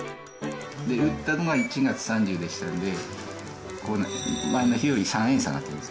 売ったのが１月３０日でしたので前の日より３円下がってます。